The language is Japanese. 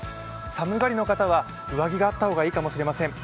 寒がりの方は上着があった方がいいかもしれません。